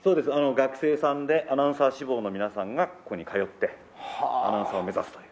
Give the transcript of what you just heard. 学生さんでアナウンサー志望の皆さんがここに通ってアナウンサーを目指すという。